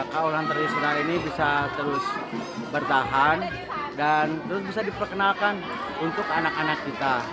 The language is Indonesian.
kaulan tradisional ini bisa terus bertahan dan terus bisa diperkenalkan untuk anak anak kita